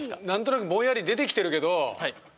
なんとなくぼんやり出てきてるけど。